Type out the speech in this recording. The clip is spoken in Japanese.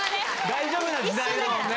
大丈夫な時代だもんね？